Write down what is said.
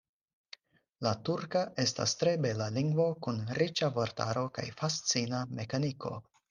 La turka estas tre bela lingvo kun riĉa vortaro kaj fascina mekaniko.